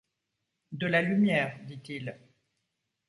De la lumière, dit-il.